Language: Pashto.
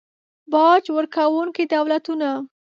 باج ورکونکي دولتونه